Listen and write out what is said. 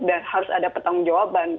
dan harus ada pertanggung jawaban